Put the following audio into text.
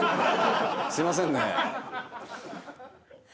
すいませんね。